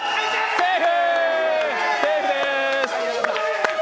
セーフ！